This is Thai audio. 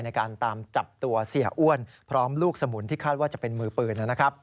ในการตามจับตัวเสียอ้วนพร้อมลูกสมุนที่คาดว่าจะเป็นมือปืนนะครับ